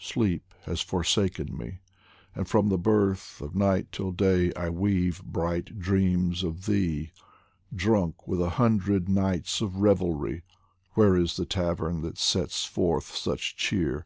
Sleep has forsaken me, and from the birth Of night till day I weave bright dreams of thee ; Drunk with a hundred nights of revelry, Where is the tavern that sets forth such cheer